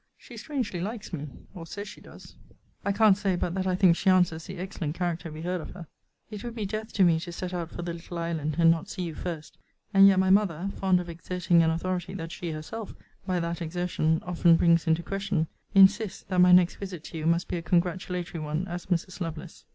She strangely likes me, or says she does. I can't say but that I think she answers the excellent character we heard of her. It would be death to me to set out for the little island, and not see you first: and yet my mother (fond of exerting an authority that she herself, by that exertion, often brings into question) insists, that my next visit to you must be a congratulatory one as Mrs. Lovelace.